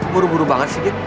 buru buru banget sih gita